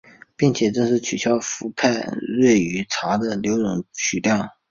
并且正式取消氟派瑞于茶的留容许量。